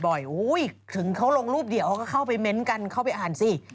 ถึงเขาลงรูปเดียวเขาก็เข้าไปเม้นต์กันเข้าไปอ่านสิ